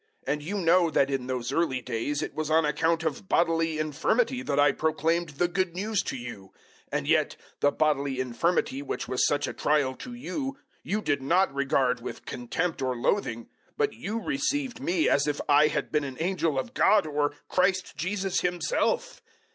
004:013 And you know that in those early days it was on account of bodily infirmity that I proclaimed the Good News to you, 004:014 and yet the bodily infirmity which was such a trial to you, you did not regard with contempt or loathing, but you received me as if I had been an angel of God or Christ Jesus Himself!